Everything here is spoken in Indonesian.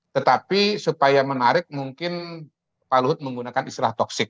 tetapi supaya menarik mungkin pak luhut menggunakan istilah toxic